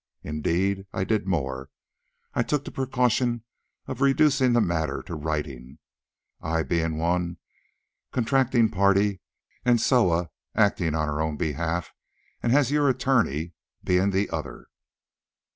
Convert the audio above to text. Indeed, I did more, I took the precaution of reducing the matter to writing, I being one contracting party, and Soa, acting on her own behalf and as your attorney, being the other."